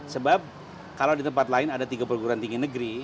sebab kalau di tempat lain ada tiga perguruan tinggi negeri